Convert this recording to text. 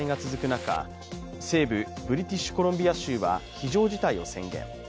中西部ブリティッシュコロンビア州は非常事態を宣言。